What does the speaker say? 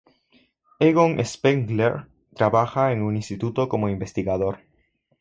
Egon Spengler trabaja en un instituto como investigador.